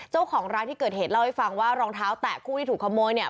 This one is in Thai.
เจ้าของร้านที่เกิดเหตุเล่าให้ฟังว่ารองเท้าแตะคู่ที่ถูกขโมยเนี่ย